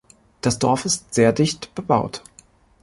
Das Dorf ist sehr dicht bebaut.